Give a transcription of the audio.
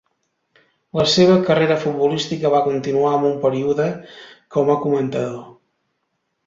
La seva carrera futbolística va continuar amb un període com a comentador.